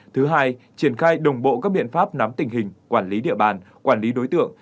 thứ hai triển khai đồng bộ các biện pháp nắm tình hình quản lý địa bàn quản lý đối tượng